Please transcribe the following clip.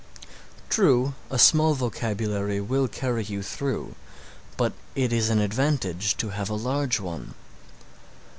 True, a small vocabulary will carry you through, but it is an advantage to have a large one.